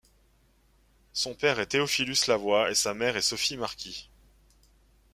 Son père est Théophilus Lavoie et sa mère est Sophie Marquis.